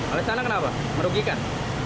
alasannya kenapa merugikan